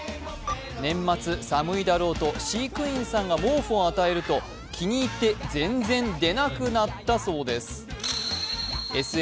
年末、寒いだろうと飼育員さんが毛布を与えると気に入って全然出なくなったそうです。